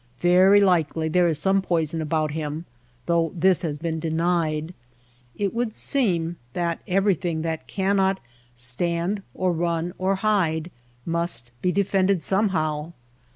Very likely there is some poison about him, though this has been denied. It would seem that every thing that cannot stand or run or hide must be defended somehow.